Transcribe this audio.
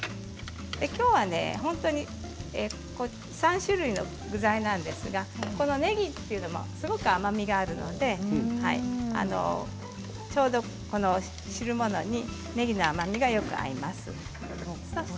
きょうは本当に３種類の具材なんですがこのねぎというのもすごく甘みがあるのでちょうど、この汁物にねぎの甘みがよく合います。